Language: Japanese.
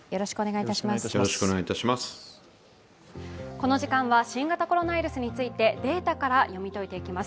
この時間は新型コロナウイルスについてデータから読み解いていきます。